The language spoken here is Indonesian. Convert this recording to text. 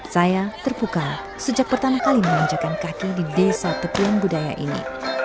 saya terpuka sejak pertama kali menanjakan kaki di desa tepung budaya ini